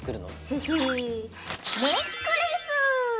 ネックレス！